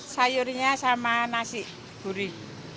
sayurnya sama nasi gurih